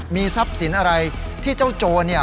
มีทรัพย์สินอะไรที่เจ้าโจร